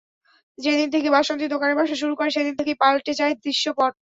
যেদিন থেকে বাসন্তী দোকানে বসা শুরু করে, সেদিন থেকেই পাল্টে যায় দৃশ্যপট।